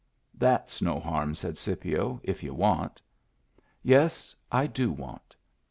" That's no harm," said Scipio, " if you want." "Yes; I do want."